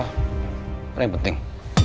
apa yang penting